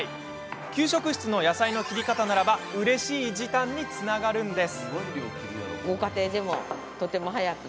給食室の野菜の切り方ならばうれしい時短につながるんです。